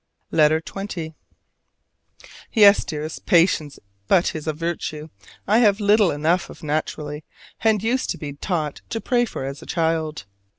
LETTER XX. Yes, Dearest, "Patience!" but it is a virtue I have little enough of naturally, and used to be taught to pray for as a child.